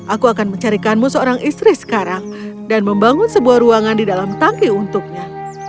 aku akan mencarikanmu seorang istri sekarang dan membangun sebuah ruangan di dalam tangki untuknya